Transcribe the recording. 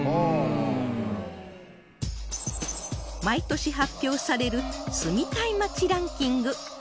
毎年発表される住みたい街ランキング